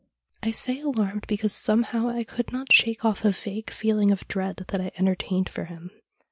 I say alarmed, because somehow I could not shake off a vague feeling of dread that I entertained for him.